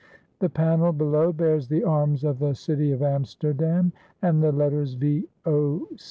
The panel below bears the arms of the City of Amsterdam and the letters V.O.